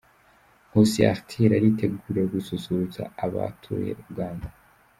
Nkusi Arthur aritegura gususurutsa abatuye Uganda.